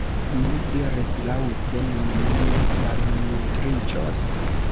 Mi diris laŭte: “nun mi ne malnutriĝos! »